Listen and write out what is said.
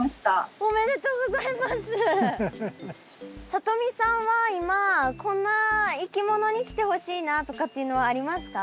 さとみさんは今こんないきものに来てほしいなとかっていうのはありますか？